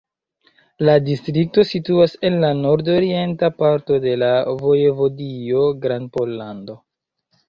La distrikto situas en la nord-orienta parto de la vojevodio Grandpollando.